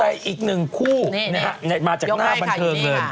แต่อีกหนึ่งคู่มาจากหน้าบันเทอมเงิน